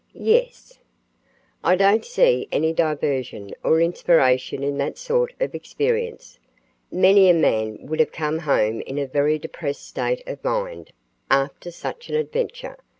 "Yes." "I don't see any diversion or inspiration in that sort of experience. Many a man would have come home in a very depressed state of mind after such an adventure.